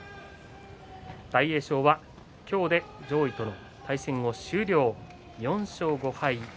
大栄翔は今日で上位との対戦を終了４勝５敗。